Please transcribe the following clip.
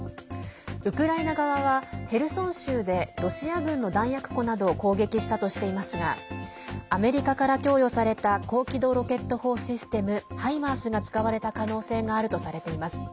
ウクライナ側はヘルソン州でロシア軍の弾薬庫などを攻撃したとしていますがアメリカから供与された高機動ロケット砲システム「ハイマース」が使われた可能性があるとされています。